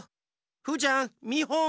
フーちゃんみほん。